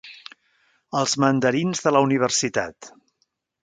Els mandarins de la universitat.